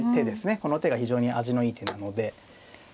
この手が非常に味のいい手なので。